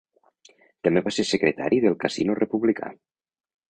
També va ser secretari del Casino Republicà.